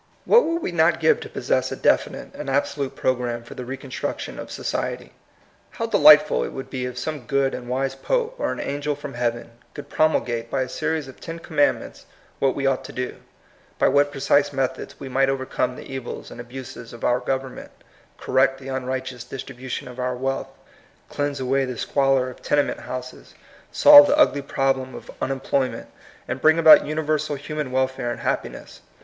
What would we not give to possess a definite and absolute program for the re construction of society? How delightful it would be if some good and wise pope, or an angel from heaven, could promulgate by a series of ^^ten commandments" what we ought to do, by what precise methods we might overcome the evils and abuses of our government, correct the unright eous distribution of our wealth, cleanse away the squalor of tenement houses, solve the ugly problem of " unemployment," and bring about universal human welfare and happiness.